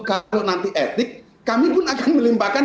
kalau nanti etik kami pun akan melimpahkan